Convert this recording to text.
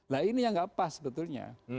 nah ini yang nggak pas sebetulnya